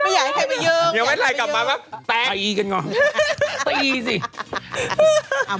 ไม่อยากให้ใครไปเยิ้ม